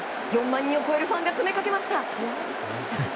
４万人を超えるファンが詰めかけました。